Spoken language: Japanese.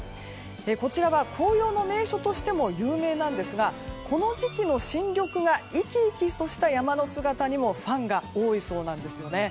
こちらは紅葉の名所としても有名なんですがこの時期の新緑が生き生きとした山の姿にもファンが多いそうなんですよね。